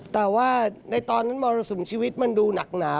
แต่ว่าในตอนนั้นมรสุมชีวิตมันดูหนักหนา